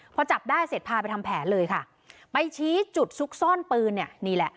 พอจับได้เสร็จพาไปทำแผนเลยค่ะไปชี้จุดซุกซ่อนปืนเนี่ยนี่แหละ